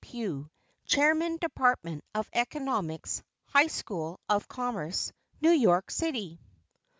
PUGH, CHAIRMAN DEPARTMENT OF ECONOMICS, HIGH SCHOOL OF COMMERCE, NEW YORK CITY.